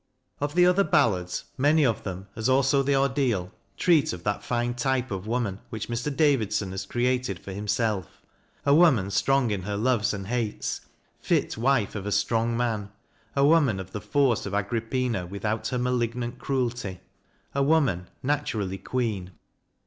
Of the other ballads, many of them, as also the " Ordeal," treat of that fine type of woman which Mr. Davidson has created for himself a woman strong in her loves and hates, fit wife of a strong man a woman of the force of Agrippina without her malignant cruelty a woman naturally queen.